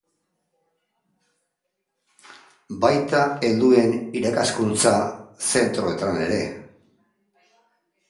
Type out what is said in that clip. Baita helduen irakaskuntza zentroetan ere.